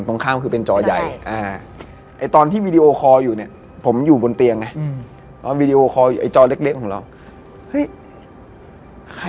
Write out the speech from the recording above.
ถือป้ายแล้วก็โบก